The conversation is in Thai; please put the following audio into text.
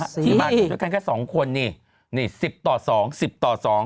ที่บาดช่วยกันแค่๒คนนี่๑๐ต่อ๒